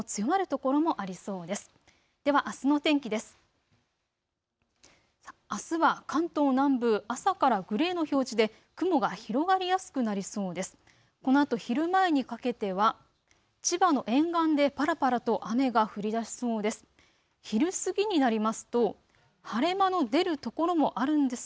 このあと昼前にかけては千葉の沿岸でパラパラと雨が降りだしそうです。